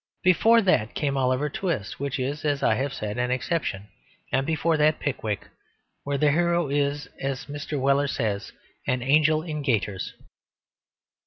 Before that came Oliver Twist (which is, I have said, an exception), and before that Pickwick, where the hero is, as Mr. Weller says, "an angel in gaiters."